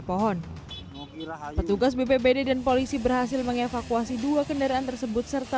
pohon petugas bpbd dan polisi berhasil mengevakuasi dua kendaraan tersebut serta